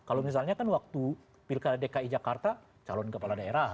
kalau misalnya kan waktu pilkada dki jakarta calon kepala daerah